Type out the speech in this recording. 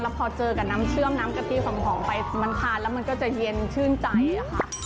พอเจอกับน้ำเชื่อมน้ำกะทิหอมไปมันทานแล้วมันก็จะเย็นชื่นใจค่ะ